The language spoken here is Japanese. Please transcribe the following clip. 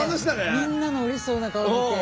みんなのうれしそうな顔見て。